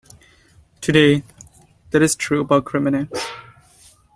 Today that is true about criminals.